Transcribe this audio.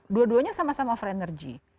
dua duanya sama sama for energy